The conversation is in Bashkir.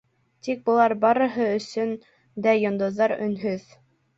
Тик былар барыһы өсөн дә йондоҙар өнһөҙ.